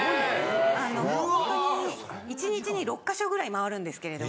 あのホントに１日に６か所ぐらいまわるんですけれども。